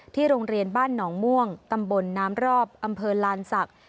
โรงเรียนบ้านหนองม่วงตำบลน้ำรอบอำเภอลานศักดิ์